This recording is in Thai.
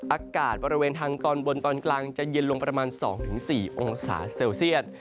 อากาศบริเวณทางตอนบนตอนกลางจะเย็นลงประมาณ๒๔องศาเซลเซียต